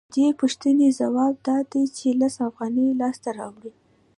د دې پوښتنې ځواب دا دی چې لس افغانۍ لاسته راوړي